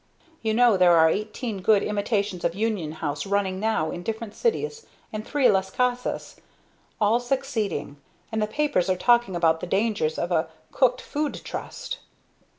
You know there are eighteen good imitations of Union House running now, in different cities, and three 'Las Casas!' all succeeding and the papers are talking about the dangers of a Cooked Food Trust!"